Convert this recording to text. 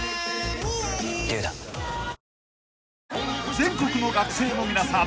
［全国の学生の皆さん